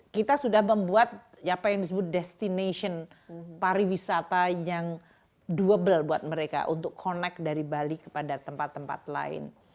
kita sudah membuat apa yang disebut destination pariwisata yang doable buat mereka untuk connect dari bali kepada tempat tempat lain